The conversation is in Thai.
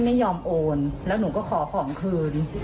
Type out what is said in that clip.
ไม่ยอมโอนแล้วหนูก็ขอของคืน